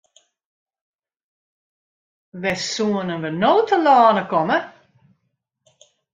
Wêr soenen we no telâne komme?